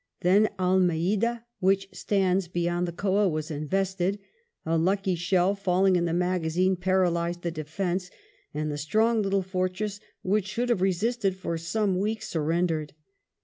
Then Almeida, which stands beyond the Coa, was invested ; a lucky shell falKng in the magazine paralysed the defence, and the strong little fortress, which should have resisted for some weeks, surrendered.